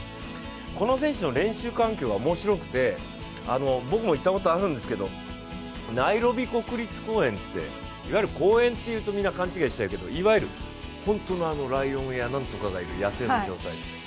この選手の練習環境が面白くて僕も行ったことがあるんですけどナイロビ国立公園っていういわゆる公園っていうとみんな勘違いしちゃうけどいわゆる本当のライオンやなんとかがいる野生の状態。